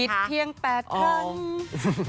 ผิดเที่ยงแปดขึ้น